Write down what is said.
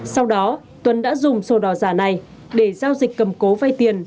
sau đó tuấn đã dùng sổ đỏ giả này để giao dịch cầm cố vay tiền